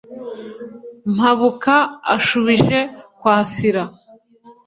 mpabuka ashubije kwasira.